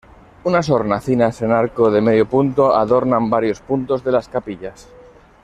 Unas hornacinas en arco de medio punto adornan varios puntos de las capillas.